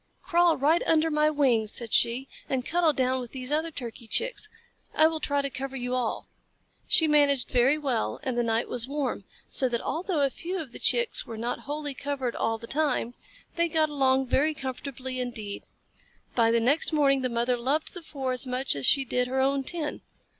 "Crawl right under my wings," said she, "and cuddle down with these other Turkey Chicks. I will try to cover you all." She managed very well and the night was warm, so that although a few of the Chicks were not wholly covered all the time, they got along very comfortably indeed. By the next morning the mother loved the four as much as she did her own ten.